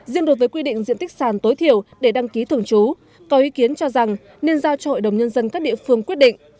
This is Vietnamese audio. riêng đối với quy định diện tích sàn tối thiểu để đăng ký thường trú có ý kiến cho rằng nên giao cho hội đồng nhân dân các địa phương quyết định